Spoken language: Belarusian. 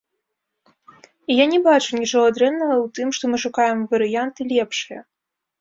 І я не бачу нічога дрэннага ў тым, што мы шукаем варыянты лепшыя.